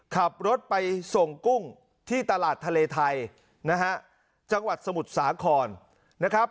ขับรถไปส่งกุ้งที่ตลาดทะเลไทยนะฮะจังหวัดสมุทรสาครนะครับ